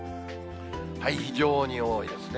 非常に多いですね。